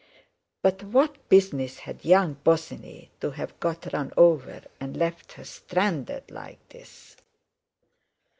But what business had young Bosinney to have got run over and left her stranded like this!